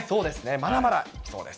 まだまだいきそうです。